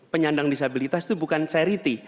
penyandang disabilitas itu bukan seriti